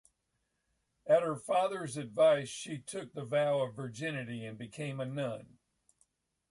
At her father's advice she took the vow of virginity and became a nun.